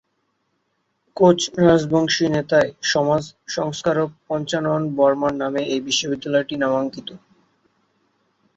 Coach Rajbanshi নেতা য় সমাজ সংস্কারক পঞ্চানন বর্মার নামে এই বিশ্ববিদ্যালয়টি নামাঙ্কিত।